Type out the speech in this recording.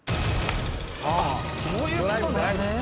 そういうことね。